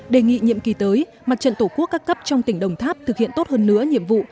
đề nghị nhiệm kỳ tới mặt trận tổ quốc các cấp trong tỉnh đồng tháp thực hiện tốt hơn nữa nhiệm vụ